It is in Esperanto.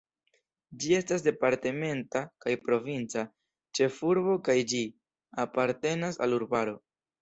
Ĝi estas departementa kaj provinca ĉefurbo kaj ĝi apartenas al urbaro.